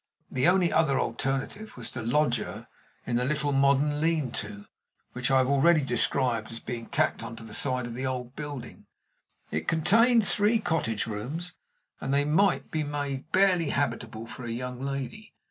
The only other alternative was to lodge her in the little modern lean to, which I have already described as being tacked on to the side of the old building. It contained three cottage rooms, and they might be made barely habitable for a young lady.